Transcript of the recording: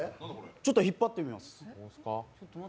ちょっと引っ張ってみます